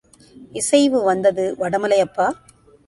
இசைவு வந்தது வடமலை அப்பா!